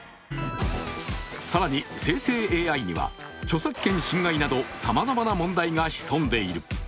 更に生成ＡＩには著作権侵害などさまざまな問題が潜んでいる。